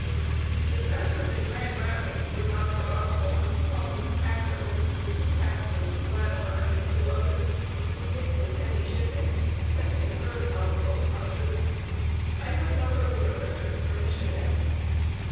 The trappers at Grand Rapids were Dr. Osborn, Cone, Ackerman, the two Paxons, Latimer, and a few others, who did some heavy shipping, catching the birds on the salt marshes. I have no earlier records for Michigan.